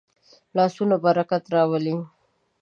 لاسونه برکت راولي